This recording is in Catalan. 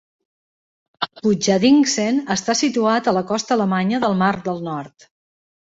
Butjadingen està situat a la costa alemanya del Mar del Nord.